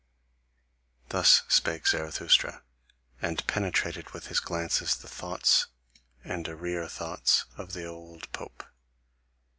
'" Thus spake Zarathustra, and penetrated with his glances the thoughts and arrear thoughts of the old pope.